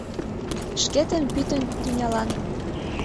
Шкетын пӱтынь тӱнялан